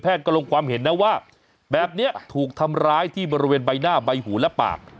ก็ลงความเห็นนะว่าแบบนี้ถูกทำร้ายที่บริเวณใบหน้าใบหูและปาก